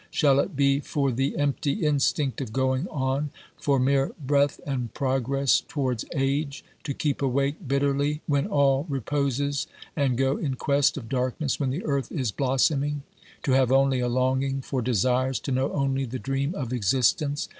Shall it be for the empty instinct of going on? For mere breath and progress towards age? To keep awake bitterly when all reposes, and go in quest of darkness when the earth is blossoming. To have only a longing for desires, to know only the dream of existence